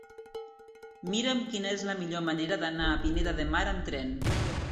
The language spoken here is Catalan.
Mira'm quina és la millor manera d'anar a Pineda de Mar amb tren.